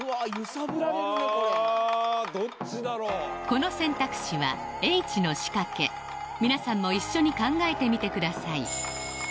この選択肢は叡智の仕掛け皆さんも一緒に考えてみてください